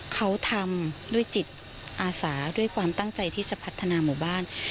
เขาทำด้วยจิตอาสาด้วยความตั้งใจที่จะพัฒนาหมู่บ้าน